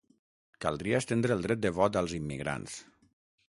Caldria estendre el dret de vot als immigrants.